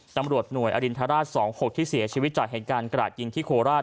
ตำรวจหน่วยอรินทราช๒๖ที่เสียชีวิตจากเหตุการณ์กระดาษยิงที่โคราช